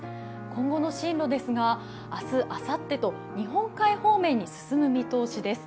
今後の進路ですが、明日あさってと日本海方面に進む見通しです。